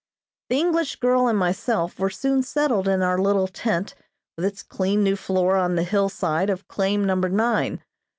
The English girl and myself were soon settled in our little tent with its clean new floor on the hillside of claim Number Nine.